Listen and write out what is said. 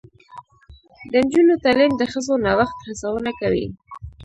د نجونو تعلیم د ښځو نوښت هڅونه کوي.